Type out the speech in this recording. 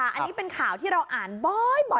อันนี้เป็นข่าวที่เราอ่านบ่อย